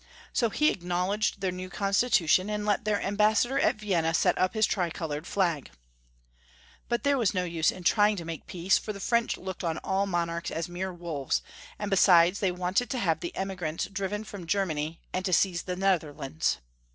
So he acknowledged their new constitution, and let their Ambassodor at Vienna, set Up his tri colored flag. But there was no use in trying to make peace, for the French looked on all monarchs as mere wolves, and besides, they wanted to have the emi grants driven from Germany, and to seize the Netherlands.